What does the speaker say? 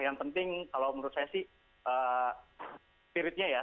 yang penting kalau menurut saya sih spiritnya ya